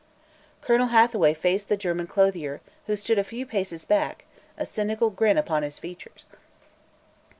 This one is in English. Colonel Hathaway faced the German clothier, who stood a few paces back, a cynical grin upon his features.